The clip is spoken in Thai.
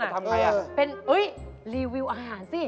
อุ๊ยเป็นรีวิวอาหารสิ